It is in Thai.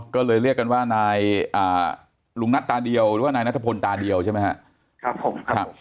ก็เลยเรียกกันว่านายลุงนัทตาเดียวหรือว่านายนัทพลตาเดียวใช่ไหมครับผมครับ